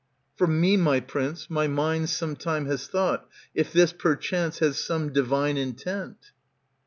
For me, my prince, my mind some time has thought If this perchance has some divine intent.